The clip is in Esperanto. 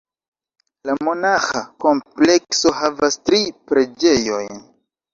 La monaĥa komplekso havas tri preĝejojn.